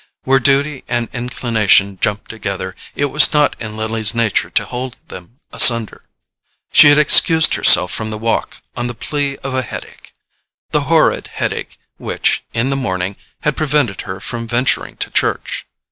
Where duty and inclination jumped together, it was not in Lily's nature to hold them asunder. She had excused herself from the walk on the plea of a headache: the horrid headache which, in the morning, had prevented her venturing to church.